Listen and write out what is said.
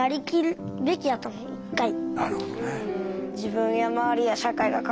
なるほどね。